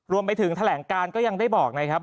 รวมไปถึงแถลงการก็ยังได้บอกนะครับ